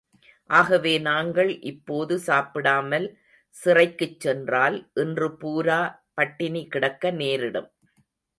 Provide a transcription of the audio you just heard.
ஆகவே நாங்கள் இப்போது சாப்பிடாமல் சிறைக்குச் சென்றால் இன்று பூரா பட்டினி கிடக்க நேரிடும்.